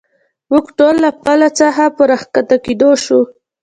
موږ ټول له پله څخه په را کښته کېدو شو.